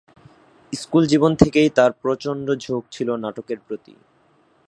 School জীবন থেকেই তার প্রচন্ড ঝোঁক ছিলো নাটকের প্রতি।